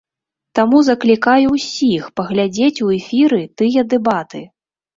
Таму заклікаю ўсіх паглядзець у эфіры тыя дэбаты!